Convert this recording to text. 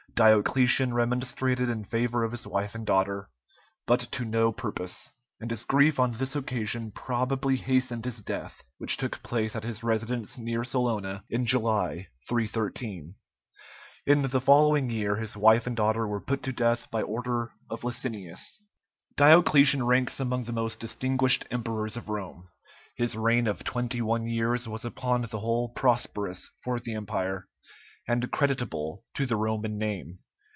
Diocletian remonstrated in favor of his wife and daughter, but to no purpose, and his grief on this occasion probably hastened his death, which took place at his residence near Salona in July, 313. In the following year his wife and daughter were put to death by order of Licinius. Diocletian ranks among the most distinguished emperors of Rome; his reign of twenty one years was upon the whole prosperous for the empire, and creditable to the Roman name.